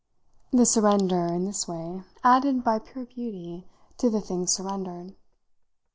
The surrender, in this way, added, by pure beauty, to the thing surrendered.